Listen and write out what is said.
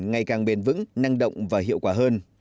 ngày càng bền vững năng động và hiệu quả hơn